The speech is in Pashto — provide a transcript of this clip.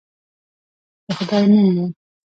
د خدای نوم وو.